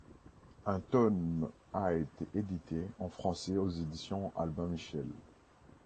Un tome a été édité en français aux éditions Albin Michel.